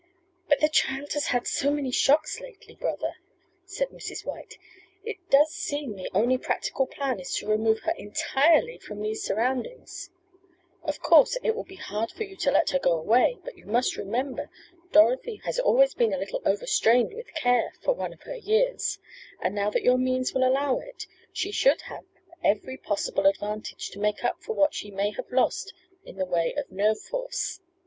"But the child has had so many shocks lately, brother," said Mrs. White. "It does seem the only practical plan is to remove her entirely from these surroundings. Of course, it will be hard for you to let her go away, but you must remember, Dorothy has always been a little over strained with care for one of her years, and now that your means will allow it, she should have every possible advantage to make up for what she may have lost in the way of nerve force."